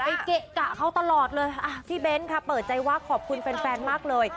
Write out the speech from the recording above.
เกะกะเขาตลอดเลยอ่ะพี่เบ้นค่ะเปิดใจว่าขอบคุณแฟนแฟนมากเลย